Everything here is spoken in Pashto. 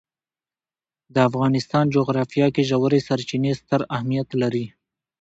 د افغانستان جغرافیه کې ژورې سرچینې ستر اهمیت لري.